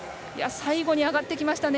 最後に上がってきましたね